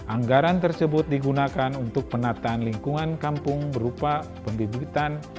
anggaran tersebut digunakan untuk penataan lingkungan kampung berupa pembibitan